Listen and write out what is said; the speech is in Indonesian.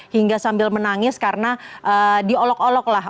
hingga sambil menangis karena diolok olok lah